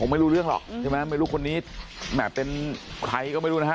ไม่รู้เรื่องหรอกใช่ไหมไม่รู้คนนี้เป็นใครก็ไม่รู้นะฮะ